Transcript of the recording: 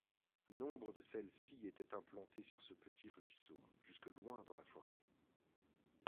Nombre de celles-ci étaient implantées sur ce petit ruisseau, jusque loin dans la forêt.